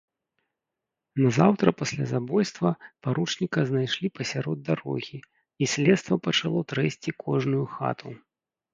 Назаўтра пасля забойства паручніка знайшлі пасярод дарогі, і следства пачало трэсці кожную хату.